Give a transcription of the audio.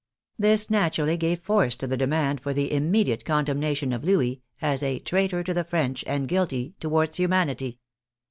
This naturally gave force to the demand for the immediate condemnation of Louis as a " traitor to the French and guilty towards humanity.'